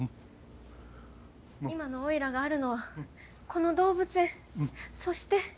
「今のおいらがあるのはこの動物園そして」。